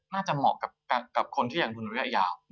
เหมาะกับคนที่อย่างทุนระยะยาว